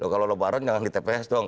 kalau lebaran jangan di tps dong